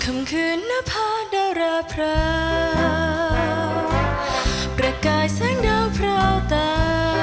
คำคืนนภาดราพราประกาศแสงดาวพราวตา